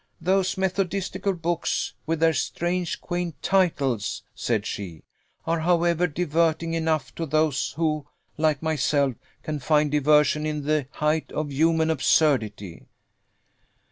"Those methodistical books, with their strange quaint titles," said she, "are, however, diverting enough to those who, like myself, can find diversion in the height of human absurdity."